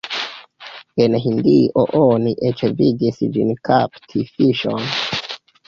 En Hindio oni eĉ vidis ĝin kapti fiŝon.